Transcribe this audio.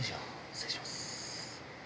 失礼します。